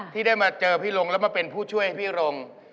ที่ได้มาเจอพี่ลงแล้วมาเป็นผู้ช่วยพี่รง